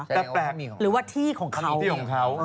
แต่แปลกหรือว่าที่ของเขา